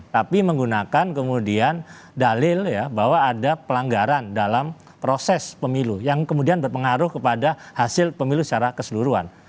tapi menggunakan kemudian dalil ya bahwa ada pelanggaran dalam proses pemilu yang kemudian berpengaruh kepada hasil pemilu secara keseluruhan